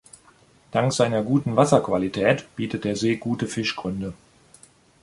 Dank seiner guten Wasserqualität bietet der See gute Fischgründe.